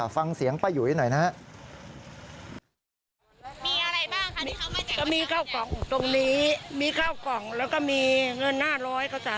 ฟังเสียงป้ายุ๋ยหน่อยนะครับ